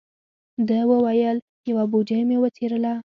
ده و ویل: یوه بوجۍ مې وڅیرله.